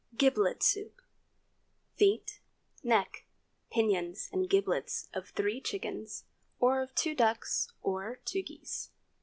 GIBLET SOUP. Feet, neck, pinions, and giblets of three chickens, or of two ducks or two geese.